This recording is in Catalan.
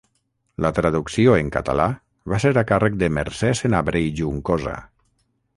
La traducció en català va ser a càrrec de Mercè Senabre i Juncosa.